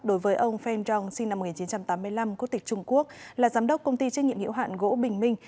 đối với ông feng dong sinh năm một nghìn chín trăm tám mươi năm quốc tịch trung quốc là giám đốc công ty trách nhiệm hiệu hạn gỗ bình minh